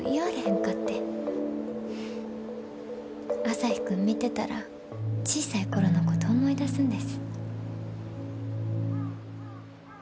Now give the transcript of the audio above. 朝陽君見てたら小さい頃のこと思い出すんです。